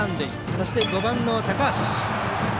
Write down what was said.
そして、５番の高橋。